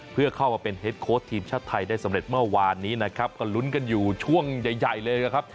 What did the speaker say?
เพื่อเข้ามาเป็นเฮ็ดโค้ดทีมชาติไทยได้สำเร็จเมื่อวานนี้นะครับก็ลุ้นกันอยู่ช่วงใหญ่ใหญ่เลยนะครับ